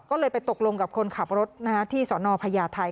ก็เลยไปตกลงกับคนขับรถที่สนพญาไทย